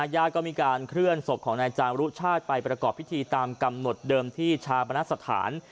ญาติก็มีการเคลื่อนศพของนายจามรุชาติไปประกอบพิธีตามกำหนดเดิมที่ชาปนสถาน